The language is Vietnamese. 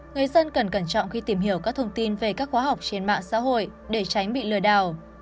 người dân cần cẩn trọng khi tìm hiểu các thông tin về các khóa học trên mạng xã hội để tránh bị lừa đảo